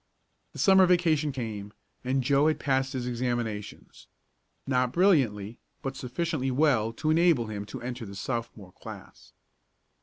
The Summer vacation came, and Joe had passed his examinations. Not brilliantly, but sufficiently well to enable him to enter the Sophomore class.